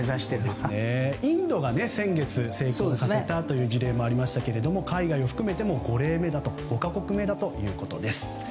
インドが先月、成功させたという事例もありましたが海外を含めても５か国目だということです。